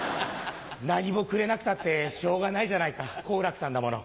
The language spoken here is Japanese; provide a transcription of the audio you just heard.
何もくれなくたってしょうがないじゃないか好楽さんだもの。